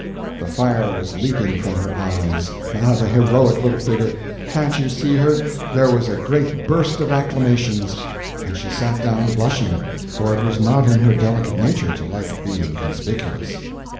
The fire was leaping from her eyes—ah, the heroic little figure! can't you see her? There was a great burst of acclamations, and she sat down blushing, for it was not in her delicate nature to like being conspicuous.